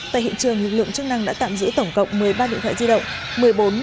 tại hiện trường lực lượng chức năng đã tạm giữ tổng cộng một mươi ba điện thoại di động